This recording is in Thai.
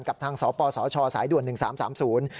กับทางสปสชสายด่วน๑๓๓๐